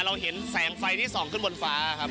เราเห็นแสงไฟที่ส่องขึ้นบนฟ้าครับ